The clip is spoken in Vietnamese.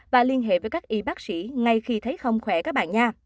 và liên hệ với các y bác sĩ ngay khi thấy không khỏe các bạn nha